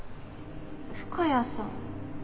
深谷さん？